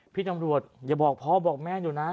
พี่ตำรวจอย่าบอกพ่อบอกแม่หนูนะ